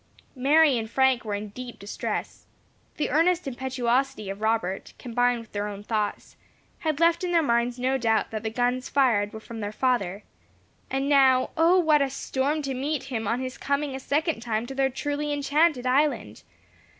Mary and Frank were in deep distress. The earnest impetuosity of Robert, combined with their own thoughts, had left in their minds no doubt that the guns fired were from their father; and now, O what a storm to meet him on his coming a second time to their truly enchanted island!